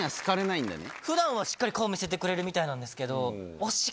普段はしっかり顔見せてくれるみたいなんですけど。